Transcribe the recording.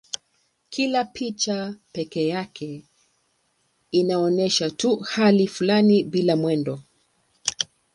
Kila picha pekee yake inaonyesha tu hali fulani bila mwendo.